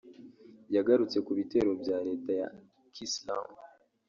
yagarutse ku bitero bya leta ya Kiyisilamu